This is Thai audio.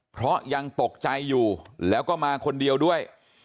เพราะยังตกใจอยู่แล้วก็มาคนเดียวด้วย